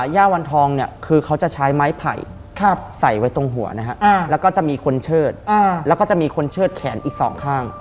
ยาวันทองก็ใช้ไม้ไผ่ใส่ไว้ตรงหัวและมีคนเชิดแขนอีก๒ข้าง